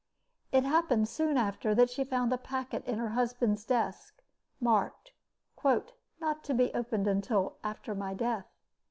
It happened, soon after, that she found a packet in her husband's desk, marked "Not to be opened until after my death."